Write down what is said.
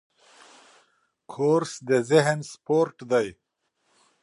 کورس د ذهن سپورټ دی.